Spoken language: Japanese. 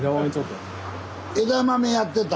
枝豆やってた！